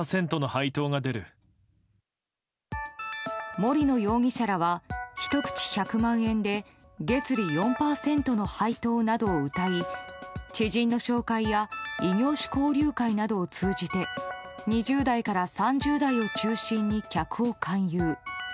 森野容疑者らはひと口１００万円で月利４％の配当などをうたい知人の紹介や異業種交流会などを通じて２０代から３０代を中心に客を勧誘。